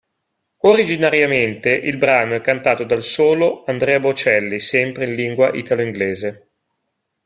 Originariamente il brano è cantato dal solo Andrea Bocelli sempre in lingua italo-inglese.